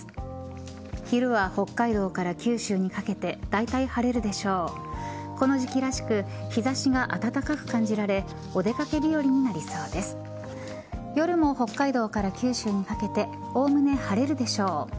夜も北海道から九州にかけておおむね晴れるでしょう。